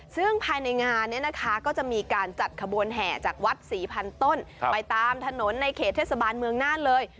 ซึ่งภายในงานเนี่ยนะคะก็จะมีการจัดขบวนแห่จากวัด๔๐๐ต้นไปตามถนนในเขตเทศบาลเมืองน่านเลย